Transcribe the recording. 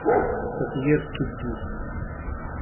Tafyirt tuddist.